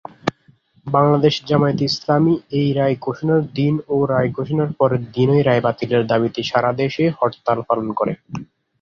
বাংলাদেশ জামায়াতে ইসলামী এই রায় ঘোষণার দিন ও রায় ঘোষণার পরের দিনই রায় বাতিলের দাবিতে সারা দেশে হরতাল পালন করে।